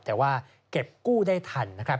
แต่ว่าเก็บกู้ได้ทัน